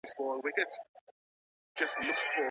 سوله بايد د مال په مقابل کي ترسره سي.